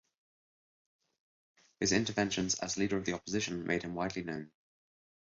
His interventions as leader of the opposition made him widely known.